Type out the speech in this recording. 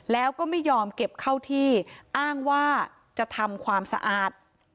แล้วก็ไม่ยอมเก็บเข้าที่อ้างว่าจะทำความสะอาด